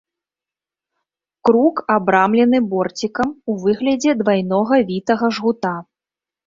Круг абрамлены борцікам у выглядзе двайнога вітага жгута.